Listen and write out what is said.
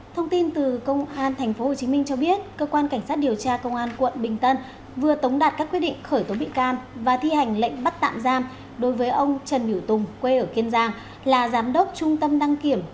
thông tin từ công an tp hcm cho biết cơ quan cảnh sát điều tra công an quận bình tân vừa tống đạt các quyết định khởi tố bị can và thi hành lệnh bắt tạm giam đối với ông trần biểu tùng quê ở kiên giang là giám đốc trung tâm đăng kiểm